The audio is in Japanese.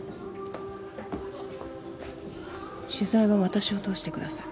・取材は私を通してください。